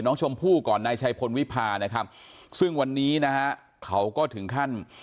น้องชมพู่ก่อนนายชัยพลวิพานะครับซึ่งวันนี้นะฮะเขาก็ถึงขั้น